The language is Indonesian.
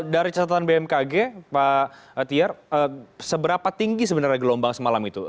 dari catatan bmkg pak tier seberapa tinggi sebenarnya gelombang semalam itu